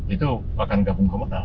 itu akan gabung ke mana